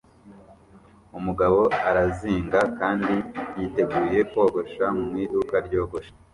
Umugabo arazinga kandi yiteguye kogosha mu iduka ryogosha